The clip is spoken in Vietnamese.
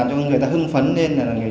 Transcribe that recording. trong quá trình ăn nhậu